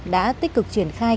đã tích cực triển khai